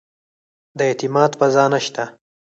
د اعتماد فضا نه شته.